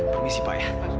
permisi pak ya